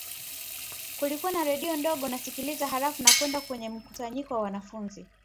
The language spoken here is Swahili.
Kulikuwa na redio ndogo nasikiliza halafu nakwenda kwenye mkusanyiko wa wanafunzi